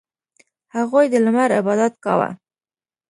• هغوی د لمر عبادت کاوه.